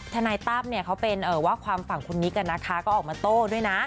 ทนายตั้มเขาเป็นว่าความฝั่งคุณนิกก็ออกมาโต้ด้วยนะ